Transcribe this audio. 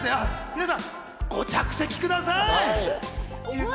皆さん、ご着席ください。